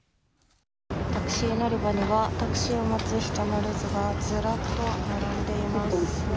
タクシー乗り場にはタクシーを待つ人の列がずらっと並んでいます。